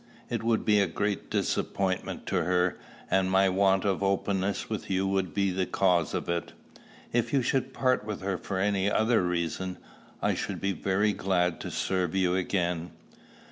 It would be a great disappointment to her, and my want of openness with you would be the cause of it. If you should part with her for any other reason, I should be very glad to serve you again."